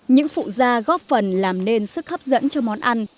những phụ da góp phần làm nên sức hấp dẫn cho món ăn